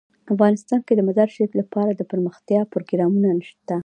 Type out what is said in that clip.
افغانستان کې د مزارشریف لپاره دپرمختیا پروګرامونه شته.